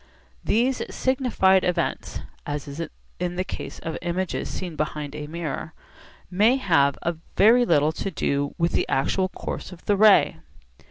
These signified events (as is the case of images seen behind a mirror) may have very little to do with the actual course of the ray.